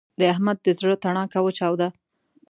د احمد د زړه تڼاکه وچاوده.